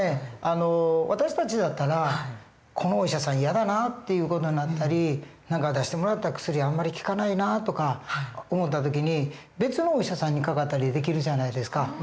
私たちだったら「このお医者さん嫌だな」っていう事になったり「何か出してもらった薬あんまり効かないな」とか思った時に別のお医者さんにかかったりできるじゃないですか。